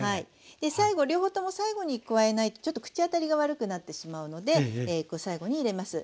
両方とも最後に加えないとちょっと口当たりが悪くなってしまうので最後に入れます。